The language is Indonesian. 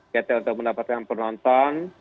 yaitu untuk mendapatkan penonton